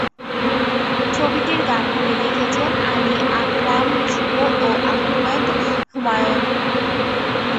ছবিটির গানগুলি লিখেছেন আলী আকরাম শুভ ও আহমেদ হুমায়ুন।